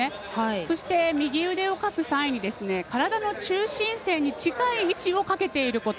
そして、右腕をかくさいに体の中心線に近い位置をかけていること。